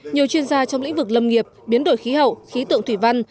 nhiều chuyên gia trong lĩnh vực lâm nghiệp biến đổi khí hậu khí tượng thủy văn